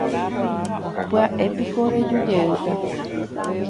Pya'épiko reju jeýta.